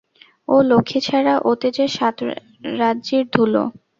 ও লক্ষ্মীছাড়া, ওতে যে সাত-রাজ্যির ধুলো।